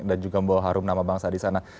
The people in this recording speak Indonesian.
dan juga membawa harum nama bangsa di sana